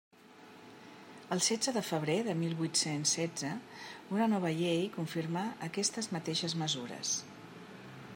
El setze de febrer de mil vuit-cents setze, una nova llei confirmà aquestes mateixes mesures.